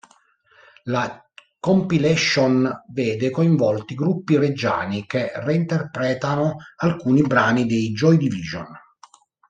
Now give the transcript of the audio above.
La compilation vede coinvolti gruppi reggiani che reinterpretano alcuni brani dei Joy Division.